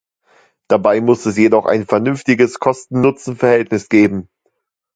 Dabei muss es jedoch ein vernünftiges Kosten-Nutzen-Verhältnis geben.